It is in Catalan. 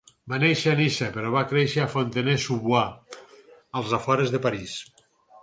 Va néixer a Niça però va créixer a Fontenay-sous-Bois, als afores de París.